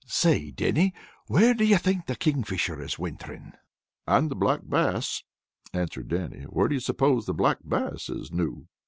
"Say, Dannie, where do you think the Kingfisher is wintering?" "And the Black Bass," answered Dannie. "Where do ye suppose the Black Bass is noo?"